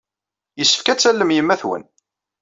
Yessefk ad tallem yemma-twen.